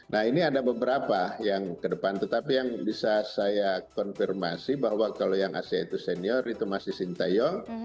nah ini ada beberapa yang ke depan tetapi yang bisa saya konfirmasi bahwa kalau yang ac itu senior itu masih sintayong